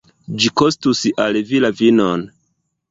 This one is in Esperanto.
Ĝi kostus al vi la vivon.